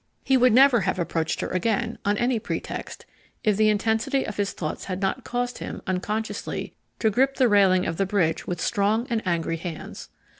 He would never have approached her again, on any pretext, if the intensity of his thoughts had not caused him, unconsciously, to grip the railing of the bridge with strong and angry hands.